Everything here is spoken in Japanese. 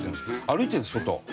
歩いているんです外。